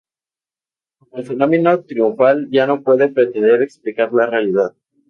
como el fenómeno triunfal ya no puede pretender explicar la realidad